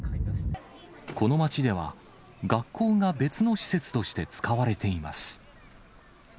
この街では、学校が別の施設として使われています。